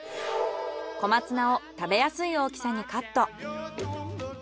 小松菜を食べやすい大きさにカット。